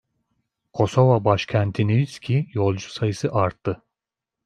Kosova başkentinswki yolcu sayısı arttı.